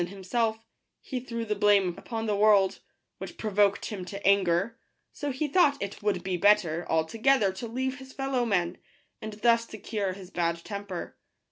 4 i in himself, he threw the blame fag ft upon the world, which provoked him to anger : so he thought it S would be better altogether to leave his fellow bad temper.